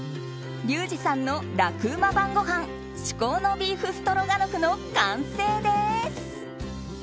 リュウジさんの楽ウマ晩ごはん至高のビーフストロガノフの完成です。